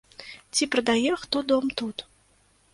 Ці прадае хто дом тут.